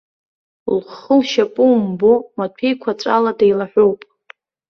Лхы лшьапы умбо, маҭәеиқәаҵәала деилаҳәоуп.